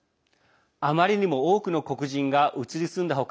あまりにも多くの黒人が移り住んだ他